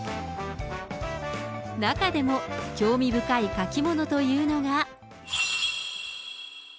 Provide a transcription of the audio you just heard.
中でも興味深い書き物というのが。